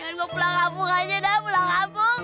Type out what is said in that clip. gak mau pulang abung aja dah pulang abung